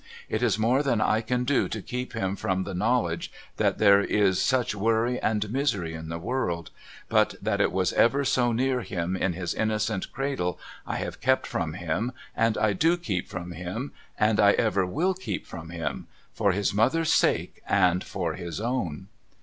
It is more than I can do to keep from him the knowledge FATHER AND SON 373 that there is such wrong and misery in the world ; but that it was ever so near him in his innocent cradle I have kept from him, and I do keep from him, and I ever will keep from him, for his mother's sake, and for his own.'